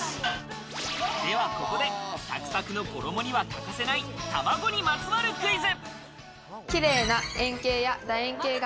では、ここでサクサクの衣には欠かせない、卵にまつわるクイズ。